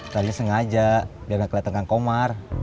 tadi sengaja biar gak keliatan kang komar